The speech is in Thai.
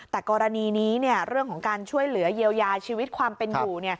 แต่กรณีนี้เรื่องของการช่วยเหลือเยียวยาชีวิตความเป็นอยู่